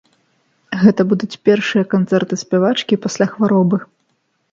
Гэта будуць першыя канцэрты спявачкі пасля хваробы.